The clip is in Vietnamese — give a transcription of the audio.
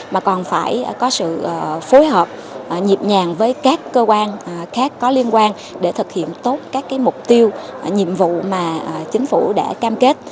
mà còn phải có sự phối hợp nhịp nhàng với các cơ quan khác có liên quan để thực hiện tốt các mục tiêu nhiệm vụ mà chính phủ đã cam kết